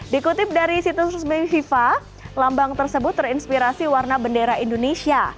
dikutip dari situs resmi fifa lambang tersebut terinspirasi warna bendera indonesia